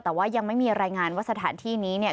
แต่ว่ายังไม่มีรายงานว่าสถานที่นี้เนี่ย